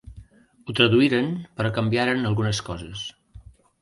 Ho traduïren, però canviaren algunes coses.